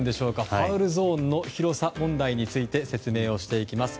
ファウルゾーンの広さ問題について説明をしていきます。